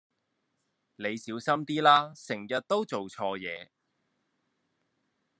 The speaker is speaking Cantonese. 你小心啲啦成日都做錯嘢